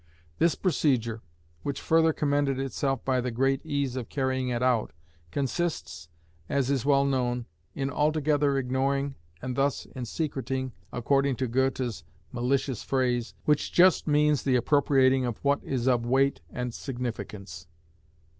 This procedure, which further commended itself by the great ease of carrying it out, consists, as is well known, in altogether ignoring and thus in secreting—according to Goethe's malicious phrase, which just means the appropriating of what is of weight and significance.